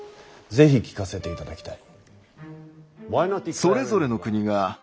是非聞かせていただきたい。